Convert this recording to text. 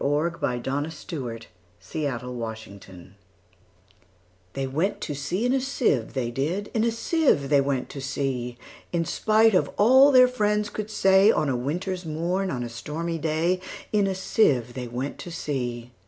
Edward Lear 1812–88 The Jumblies Lear Edw THEY went to sea in a sieve, they did; In a sieve they went to sea; In spite of all their friends could say, On a winter's morn, on a stormy day, In a sieve they went to sea.